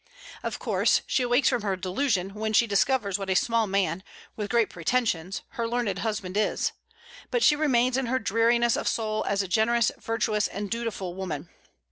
Of course, she awakes from her delusion when she discovers what a small man, with great pretensions, her learned husband is; but she remains in her dreariness of soul a generous, virtuous, and dutiful woman.